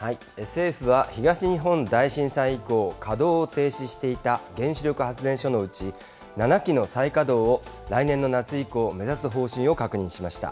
政府は、東日本大震災以降、稼働を停止していた原子力発電所のうち、７基の再稼働を来年の夏以降、目指す方針を確認しました。